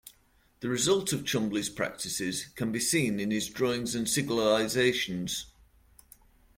The results of Chumbley's practices can be seen in his drawings and sigillisations.